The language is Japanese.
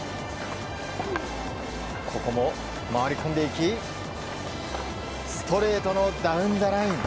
ここも回り込んでいきストレートのダウンザライン。